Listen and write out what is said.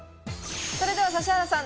それでは指原さん。